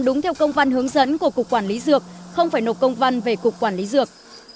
đúng theo công văn hướng dẫn của cục quản lý dược không phải nộp công văn về cục quản lý dược